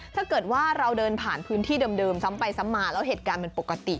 ถ้าเกิดว่าเราเดินผ่านพื้นที่เดิมซ้ำไปซ้ำมาแล้วเหตุการณ์มันปกติ